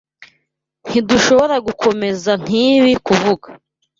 Ntidushobora gukomeza nkibi kuvuga